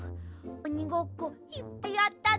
おにごっこいっぱいやったね。